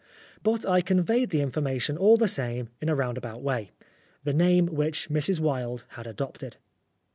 But I conveyed the information all the same in a roundabout way the name which Mrs. Wilde had adopted.